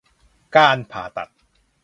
การผ่าตัด